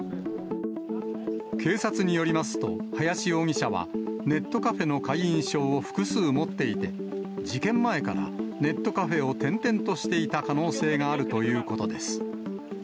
警察によりますと、林容疑者はネットカフェの会員証を複数持っていて、事件前から、ネットカフェを転々としていた可能性があるということです。